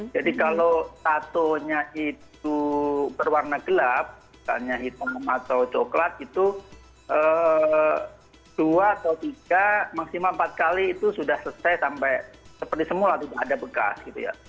jadi kalau tato nya itu berwarna gelap tanya hitam atau coklat itu dua atau tiga maksimal empat kali itu sudah selesai sampai seperti semula tidak ada bekas gitu ya